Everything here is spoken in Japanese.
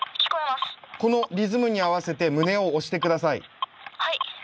このリズムに合わせて胸を押して下さい。